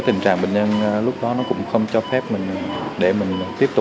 tình trạng sức khỏe của anh việt